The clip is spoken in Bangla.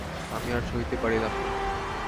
আমি আর সহিতে পরিলাম না।